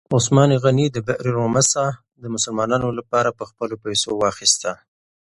عثمان غني د بئر رومه څاه د مسلمانانو لپاره په خپلو پیسو واخیسته.